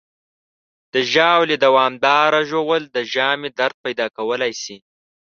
د ژاولې دوامداره ژوول د ژامې درد پیدا کولی شي.